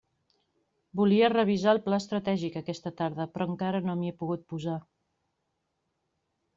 Volia revisar el pla estratègic aquesta tarda, però encara no m'hi he pogut posar.